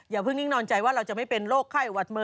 เพิ่งนิ่งนอนใจว่าเราจะไม่เป็นโรคไข้หวัดเมอ